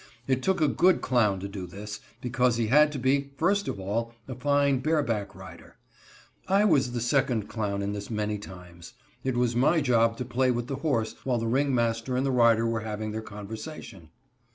It took a good clown to do this, because he had to be, first of all, a fine bareback rider. I was the second clown in this many times. It was my job to play with the horse while the ringmaster and the rider were having their conversation.